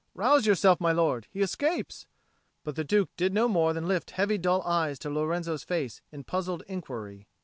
Rouse yourself, my lord he escapes!" But the Duke did no more than lift heavy dull eyes to Lorenzo's face in puzzled inquiry.